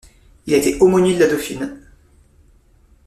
Il a été aumônier de la Dauphine.